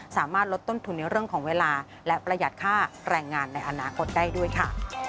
สามารถลดต้นทุนในเรื่องของเวลาและประหยัดค่าแรงงานในอนาคตได้ด้วยค่ะ